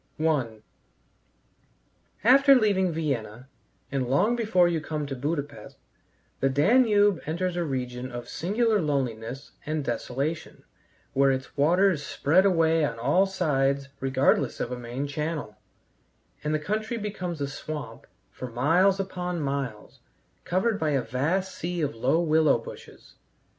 I After leaving Vienna, and long before you come to Buda Pesth, the Danube enters a region of singular loneliness and desolation, where its waters spread away on all sides regardless of a main channel, and the country becomes a swamp for miles upon miles, covered by a vast sea of low willow bushes.